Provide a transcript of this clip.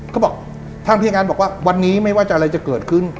เขาบอกทางพยาบาลบอกว่าวันนี้ไม่ว่าจะอะไรจะเกิดขึ้น